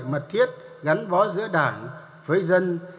mật thiết gắn bó giữa đảng với dân